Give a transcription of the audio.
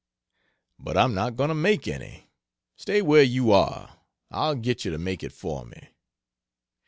"But I'm not going to make any stay where you are I'll get you to make it for me."